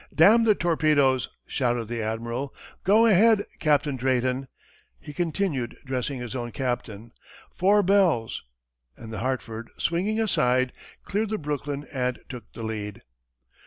"Damn the torpedoes!" shouted the admiral. "Go ahead, Captain Drayton," he continued, addressing his own captain. "Four bells!" and the Hartford, swinging aside, cleared the Brooklyn and took the lead.